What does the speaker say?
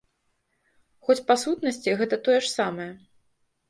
Хоць, па сутнасці, гэта тое ж самае.